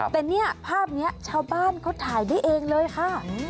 แต่เนี่ยภาพนี้ชาวบ้านเขาถ่ายได้เองเลยค่ะ